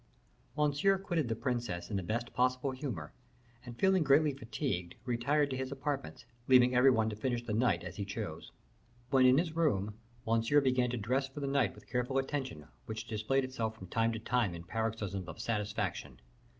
Monsieur quitted the princess in the best possible humor, and feeling greatly fatigued, retired to his apartments, leaving every one to finish the night as he chose. When in his room, Monsieur began to dress for the night with careful attention, which displayed itself from time to time in paroxysms of satisfaction.